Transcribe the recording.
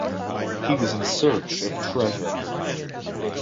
He was in search of treasure.